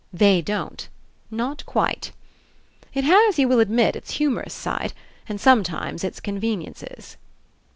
They don't. Not quite. It has, you will admit, it's humorous side, and, sometimes, its conveniences."